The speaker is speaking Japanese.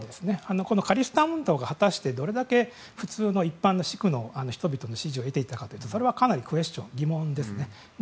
このカリスタン運動が果たして、どれだけ普通の一般のシークの人たちの信頼を得ていたかというとそれはかなりクエスチョン疑問ですね。